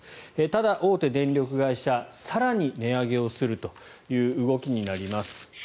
ただ大手電力会社更に値上げをするという動きになります。